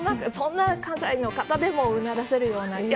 そんな関西の方でもうならせるような。